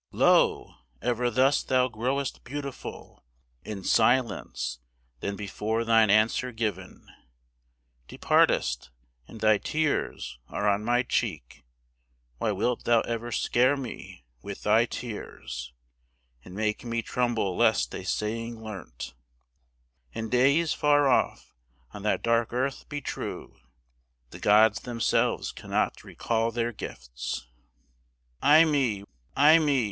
Lo! ever thus thou growest beautiful In silence, then before thine answer given Departest, and thy tears are on my cheek. Why wilt thou ever scare me with thy tears, And make me tremble lest a saying learnt, In days far off, on that dark earth, be true? 'The Gods themselves cannot recall their gifts.' Ay me! ay me!